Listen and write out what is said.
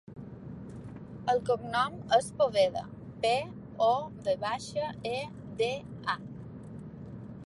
El cognom és Poveda: pe, o, ve baixa, e, de, a.